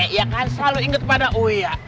iya kan selalu inget pada uyak